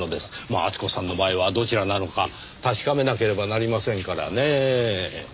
まあ厚子さんの場合はどちらなのか確かめなければなりませんからねぇ。